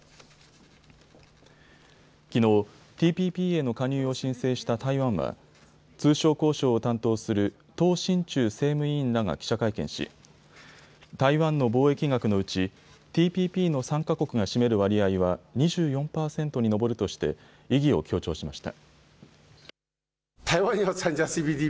きのう、ＴＰＰへの加入を申請した台湾は通商交渉を担当するとう振中政務委員らが記者会見し、台湾の貿易額のうちＴＰＰの参加国が占める割合は２４％に上るとして意義を強調しました。